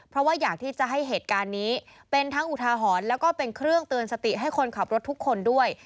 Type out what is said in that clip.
เพราะว่าอยากที่จะให้เหตุการณ์นี้เป็นทั้งอุทาหรณ์แล้วก็เป็นเครื่องเตือนสติให้คนขับรถทุกคนด้วย